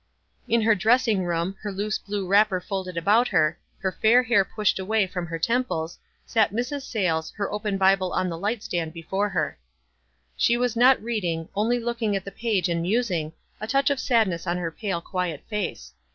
In her dressing room, her loose blue wrapper folded about her, her fair hair pushed away from her temples, sat Mrs. Sayles, her open Bible on the lisrht stand before her. She was not read ing, only looking at the page and musing, a touch of sadness on her pale, quiet face.